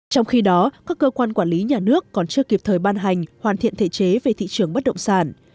trong khi đó các cơ quan quản lý nhà nước còn chưa kịp thời ban hành hoàn thiện thể chế về thị trường bất động sản